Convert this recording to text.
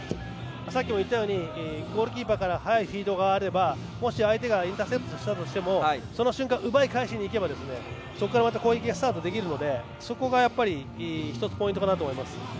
さっきも言ったようにゴールキーパーから速いフィードがあればもし相手がインターセプトしたとしてもその瞬間奪い返しにいけばそこから攻撃がスタートできるのでそこが１つポイントかなと思います。